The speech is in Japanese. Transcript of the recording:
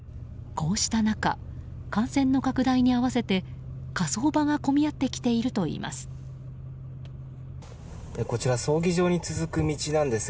こうした中感染の拡大に合わせて火葬場が混み合ってきているといいます。